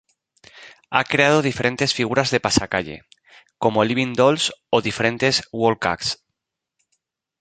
Ha creado diferentes figuras de pasacalle, como "living-dolls" o diferentes "walk-acts".